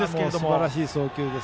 すばらしい送球です。